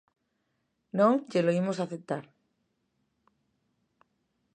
Non llelo imos aceptar.